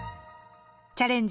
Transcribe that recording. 「チャレンジ！